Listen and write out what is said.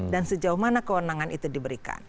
dan sejauh mana kewenangan itu diberikan